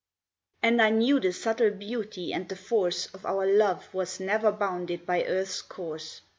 And I knew the subtle beauty and the force Of our love was never bounded by Earth's course.